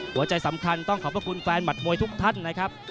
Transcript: หัวใจสำคัญต้องขอบพระคุณแฟนหมัดมวยทุกท่านนะครับ